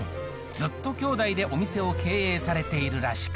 ずっと兄弟でお店を経営されているらしく。